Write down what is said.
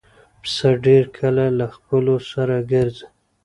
پسه ډېر کله له خپلو سره ګرځي.